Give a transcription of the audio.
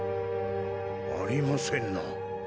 ありませんな。